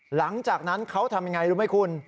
หลังจากนั้นเขาทำยังไงรู้ไหมคุณ